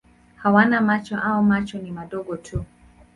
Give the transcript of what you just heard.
Hawana macho au macho ni madogo tu.